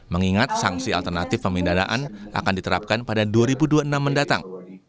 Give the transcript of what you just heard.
mengingat sanksi alternatif pemindanaan akan diterapkan pada dua ribu dua puluh enam mendatang